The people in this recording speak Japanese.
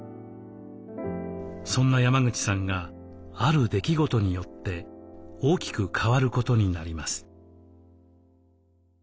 そんな山口さんがある出来事によって大きく変わることになります。